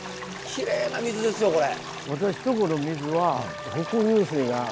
きれいな水ですよこれ。